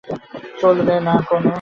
চলবে না কেনো।